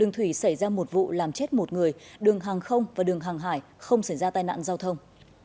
thủy xảy ra một vụ làm chết một người đường hàng không và đường hàng hải không xảy ra tai nạn giao thông